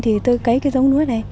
thì tôi cấy cái giống lúa này